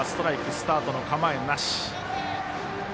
スタートの構えなし。